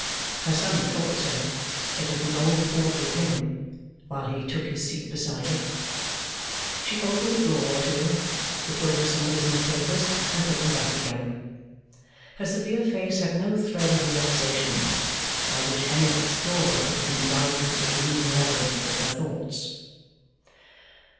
Her son thought so (it was an old thought with him), while he took his seat beside it. She opened a drawer or two, looked over some business papers, and put them back again. Her severe face had no thread of relaxation in it, by which any explorer could have been guided to the gloomy labyrinth of her thoughts.